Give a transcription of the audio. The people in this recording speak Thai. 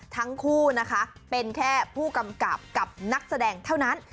ทั้งคู่นะคะเป็นแค่ผู้กำกับกับนักแสดงเท่านั้น